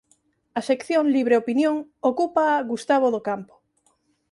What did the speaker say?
A sección Libre Opinión ocúpaa Gustavo Docampo.